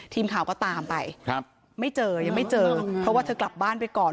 ทีมข่าวก็ตามไปครับไม่เจอยังไม่เจอเพราะว่าเธอกลับบ้านไปก่อน